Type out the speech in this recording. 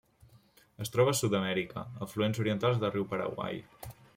Es troba a Sud-amèrica: afluents orientals del riu Paraguai.